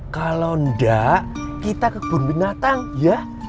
kalau enggak kita ke kebun binatang ya